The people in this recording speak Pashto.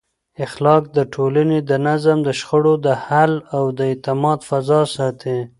اخلاق د ټولنې د نظم، د شخړو د حل او د اعتماد فضا ساتي.